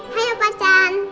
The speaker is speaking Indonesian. hai pak can